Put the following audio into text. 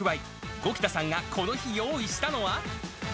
五木田さんがこの日用意したのは。